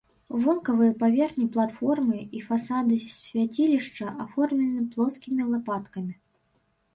Вонкавыя паверхні платформы і фасады свяцілішча аформлены плоскімі лапаткамі.